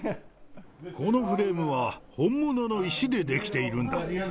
このフレームは本物の石で出来ているんだ。